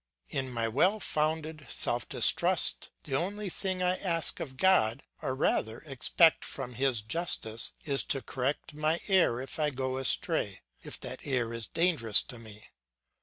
In my well founded self distrust the only thing that I ask of God, or rather expect from his justice, is to correct my error if I go astray, if that error is dangerous to me.